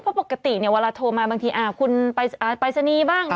เพราะปกติเวลาโทรมาบางทีคุณไปสนีบ้าง